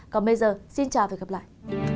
còn bây giờ xin chào và hẹn gặp lại